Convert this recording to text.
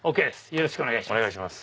よろしくお願いします。